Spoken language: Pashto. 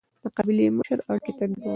د قبیلې مشر اړیکې تنظیمولې.